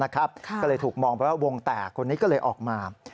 ก็เลยถูกมองไปว่าวงแตกคนนี้ก็เลยออกมา